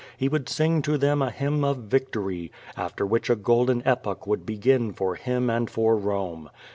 He would sing to them a hymn of victory, after which a golden epoch would begin for him and for Rome.